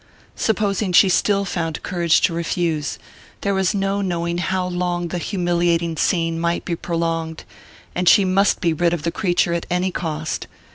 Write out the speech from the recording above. Supposing she still found courage to refuse there was no knowing how long the humiliating scene might be prolonged: and she must be rid of the creature at any cost.